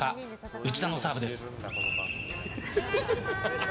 内田のサーブです。